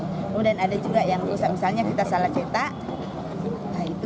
kemudian ada juga yang rusak misalnya kita salah cetak